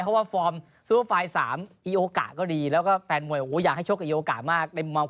เพราะว่าฟอร์มซูเปอร์ไฟล์๓อีโอกะก็ดีแล้วก็แฟนมวยโอ้โหอยากให้ชกกับโอกะมาก